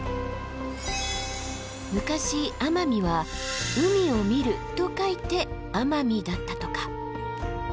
昔奄美は「海を見る」と書いて海見だったとか。